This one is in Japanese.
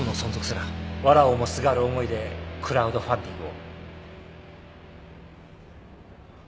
わらをもすがる思いでクラウドファンディングを。